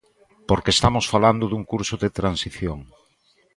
Porque estamos falando dun curso de transición.